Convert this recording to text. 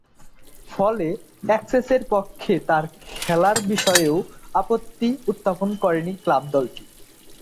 ফলে, এসেক্সের পক্ষে তার খেলার বিষয়েও আপত্তি উত্থাপন করেনি ক্লাব দলটি।